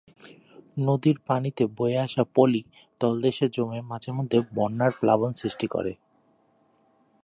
নদীর পানিতে বয়ে আসা পলি তলদেশে জমে মাঝেমধ্যে বন্যার প্লাবন সৃষ্টি করে।